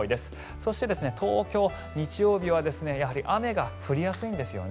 そして、東京、日曜日はやはり雨が降りやすいんですよね。